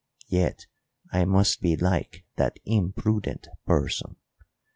Yet I must be like that imprudent person.